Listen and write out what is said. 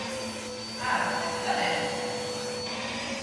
Ah!, ¿vostede tamén?